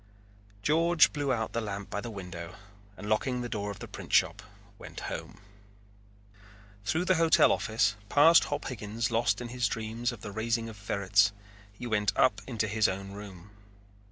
George blew out the lamp by the window and locking the door of the printshop went home. Through the hotel office, past Hop Higgins lost in his dream of the raising of ferrets, he went and up into his own room.